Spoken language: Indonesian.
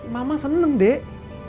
mama seneng dek